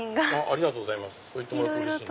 ありがとうございます。